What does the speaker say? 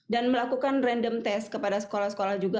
dan melakukan random test kepada sekolah sekolah juga